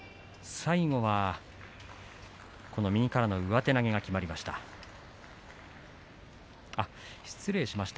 最後は右からの上手投げがきまりました。